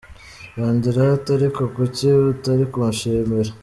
Yongeraho ati “ariko kuki utari kunshimira?”